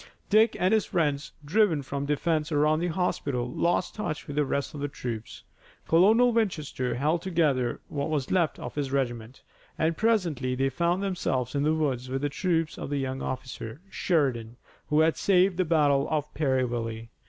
Dick and his friends, driven from the defense around the hospital, lost touch with the rest of the troops. Colonel Winchester held together what was left of his regiment, and presently they found themselves in the woods with the troops of the young officer, Sheridan, who had saved the battle of Perryville.